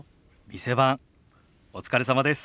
店番お疲れさまです。